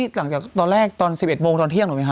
หลังจากตอนแรกตอน๑๑โมงตอนเที่ยง